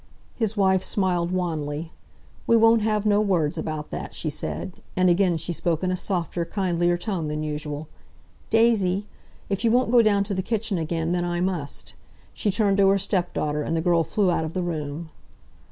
His wife smile wanly. "We won't have no words about that," she said, and again she spoke in a softer, kindlier tone than usual. "Daisy? If you won't go down to the kitchen again, then I must"—she turned to her stepdaughter, and the girl flew out of the room.